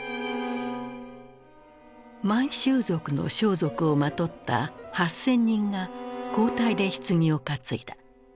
満州族の装束をまとった８，０００人が交代でひつぎを担いだ。